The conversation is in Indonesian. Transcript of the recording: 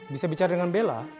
bisa bicara dengan bella